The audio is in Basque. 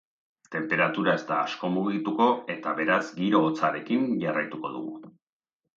Tenperatura ez da asko mugituko eta beraz giro hotzarekin jarraituko dugu.